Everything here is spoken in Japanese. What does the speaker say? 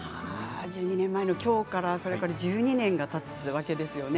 １２年前の今日からそれから１２年がたつわけですよね。